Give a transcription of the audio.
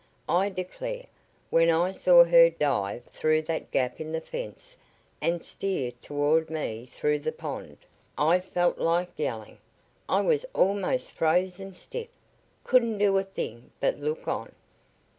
I declare, when I saw her dive through that gap in the fence and steer toward me through the pond, I felt like yelling. I was almost frozen stiff. Couldn't do a thing but look on."